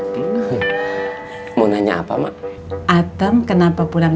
dibuka aja tuh